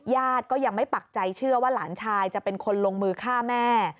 ญาติก็ยังไม่ปักใจเชื่อว่าหลานชายจะเป็นคนลงมือฆ่าแม่